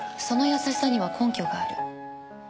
その優しさには根拠がある。